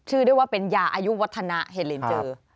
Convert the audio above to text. ชื่อด้วยว่าเป็นยาอายุวัฒนะเห็ดลินจือ